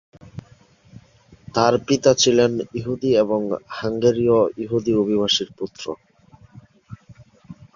তার পিতা ছিলেন ইহুদি এবং হাঙ্গেরিয় ইহুদি অভিবাসীর পুত্র।